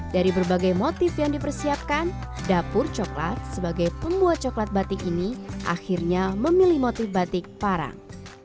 dari berbagai motif yang dipersiapkan dapur coklat sebagai pembuat coklat batik ini akhirnya memilih motif batik parang